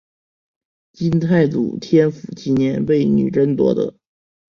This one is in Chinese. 金太祖天辅七年被女真夺得。